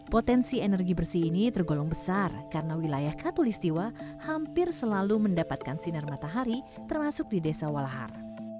potensi energi bersih ini tergolong besar karena wilayah katolistiwa hampir selalu mendapatkan sinar matahari termasuk di desa walahar